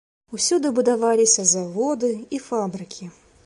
Усюды будаваліся заводы і фабрыкі.